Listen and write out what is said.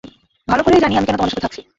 ভালো করেই জানি, আমি কেন তোমাদের সাথে থাকছি।